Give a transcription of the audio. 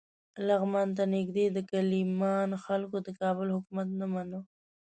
لغمان ته نږدې د کیلمان خلکو د کابل حکومت نه مانه.